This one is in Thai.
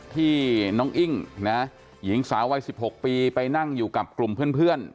ที่น้องอิ้งนะหญิงสาววัย๑๖ปีไปนั่งอยู่กับกลุ่มเพื่อน